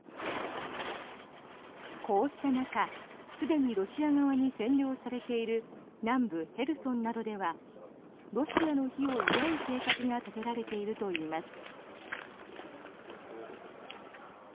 こうした中すでにロシア側に占領されている南部ヘルソンなどではロシアの日を祝う計画が立てられているといいます。